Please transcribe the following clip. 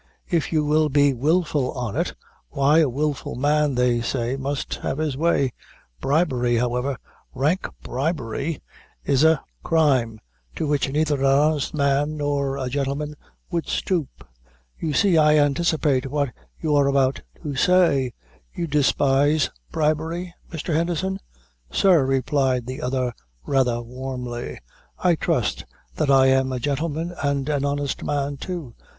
If you will be wilful on it, why a wilful man, they say, must have his way. Bribery, however rank bribery is a " "Crime to which neither an honest man nor a gentleman would stoop. You see I anticipate what you are about to say; you despise bribery, Mr. Henderson?" "Sir," replied the other, rather warmly, "I trust that I am a gentleman and an honest man, too."